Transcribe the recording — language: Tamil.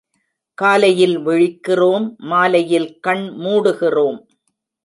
காலையில் விழிக்கிறோம் மாலையில் கண் மூடுகிறோம்.